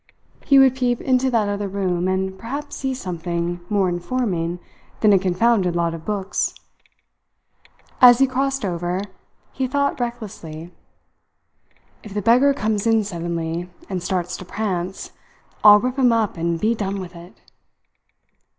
He would peep into that other room, and perhaps see something more informing than a confounded lot of books. As he crossed over, he thought recklessly: "If the beggar comes in suddenly, and starts to prance, I'll rip him up and be done with it!"